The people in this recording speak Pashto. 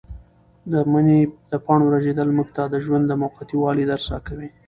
د مني د پاڼو رژېدل موږ ته د ژوند د موقتي والي درس راکوي.